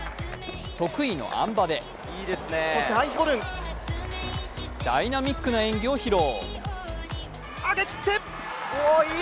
得意のあん馬で大ミナックな演技を披露。